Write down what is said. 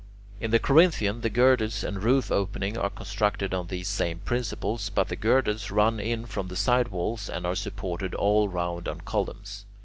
In the Corinthian, the girders and roof opening are constructed on these same principles, but the girders run in from the side walls, and are supported all round on columns.